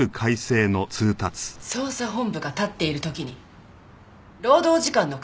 捜査本部が立っている時に労働時間の改革ですか？